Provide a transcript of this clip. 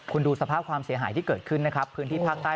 คุณดูสภาพความเสียหายที่เกิดขึ้นนะครับพื้นที่ภาคใต้